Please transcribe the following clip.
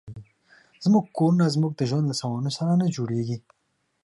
زموږ کورونه زموږ د ژوند له سامانونو سره نه جوړېږي.